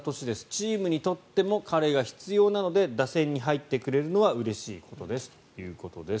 チームにとっても彼が必要なので打線に入ってくれるのはうれしいことですということです。